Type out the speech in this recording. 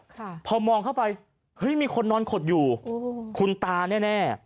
ค่ะพอมองเข้าไปเฮ้ยมีคนนอนขดอยู่โอ้โหคุณตาแน่แน่